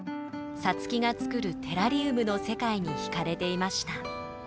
皐月が作るテラリウムの世界に惹かれていました。